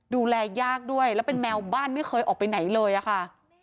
ดูแลยากด้วยแล้วเป็นแมวบ้านไม่เคยออกไปไหนเลยอะค่ะ